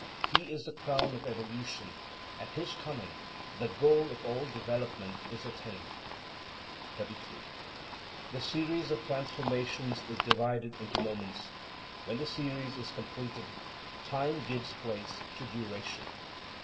He is the crown of evolution: at his coming, the goal of all development is attained. 33. The series of transformations is divided into moments. When the series is completed, time gives place to duration.